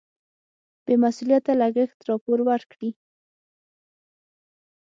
بې مسؤلیته لګښت راپور ورکړي.